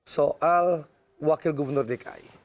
soal wakil gubernur dki